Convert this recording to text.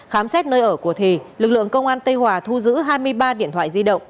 khám xét nơi ở của thì lực lượng công an tây hòa thu giữ hai mươi ba điện thoại di động